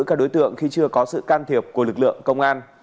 các đối tượng khi chưa có sự can thiệp của lực lượng công an